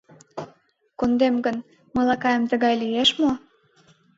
Кондем гын, малакаем тыгай лиеш мо?